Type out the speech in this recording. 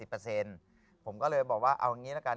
ผมก็เลยบอกว่าเอาอย่างนี้ละกัน